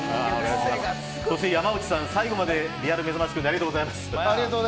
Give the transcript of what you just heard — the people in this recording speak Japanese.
そして山内さん、最後までリアルめざましくんでありがとうございます。